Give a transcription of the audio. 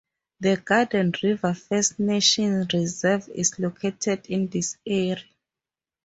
The Garden River First Nation Reserve is located in this area.